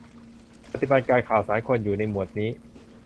ปฏิบัติการข่าวสารควรอยู่ในหมวดนี้